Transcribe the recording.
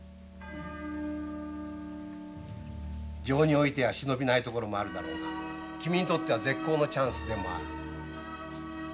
情においては忍びないところもあるだろうが君にとっては絶好のチャンスでもある。